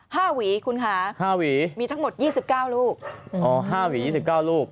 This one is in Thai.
ห้าหวีคุณคะมีทั้งหมด๒๙ลูกอ๋อห้าหวี๒๙ลูก